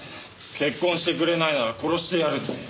「結婚してくれないなら殺してやる」って。